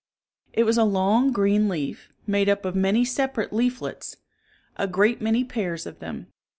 It was a long green leaf, made up of many separate leaflets, a great many pairs of them.